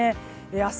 明日